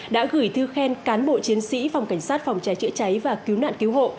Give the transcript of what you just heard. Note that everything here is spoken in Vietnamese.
đã gửi thư khen cán bộ chiến sĩ phòng cảnh sát phòng cháy chữa cháy và cứu nạn cứu hộ